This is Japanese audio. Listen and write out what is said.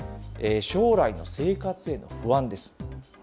将来の生活への不安です。